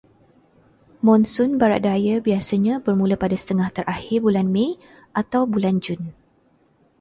Monsun barat daya biasanya bermula pada setengah terakhir bulan Mei atau awal bulan Jun.